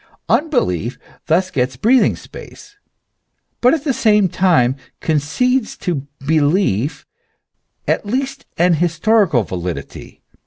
Unbelief thus gets breathing space, but at the same time concedes to belief at least an historical validity.